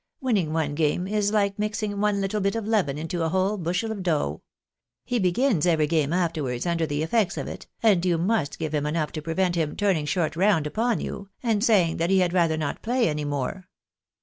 Winning one game is like mixing one little bit of leaven into a whole bushel of dough. He begins every game afterwards under the effects of it, and you must just give him enough to prevent him turning short round upon you, and saying that he had rather not play any more."